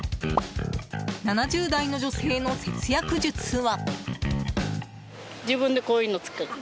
７０代の女性の節約術は。